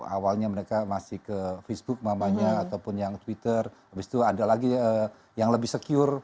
awalnya mereka masih ke facebook mamanya ataupun yang twitter abis itu ada lagi yang lebih secure